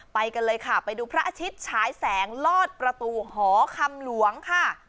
ไปกันเลยค่ะไปดูพระอาทิตย์ฉายแสงลอดประตูหอคำหลวงค่ะ